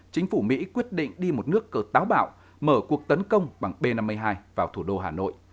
chính phủ mỹ quyết định đi một nước cờ táo bạo mở cuộc tấn công bằng b năm mươi hai vào thủ đô hà nội